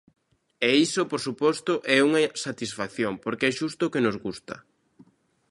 E iso, por suposto, é unha satisfacción, porque é xusto o que nos gusta.